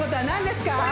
何ですか？